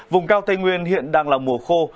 vùng cao tây nguyên hiện đang là mùa khô